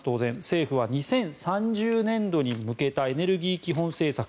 政府は２０３０年度に向けたエネルギー基本政策